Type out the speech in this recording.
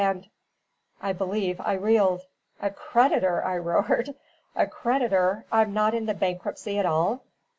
And " I believe I reeled. "A creditor!" I roared; "a creditor! I'm not in the bankruptcy at all?"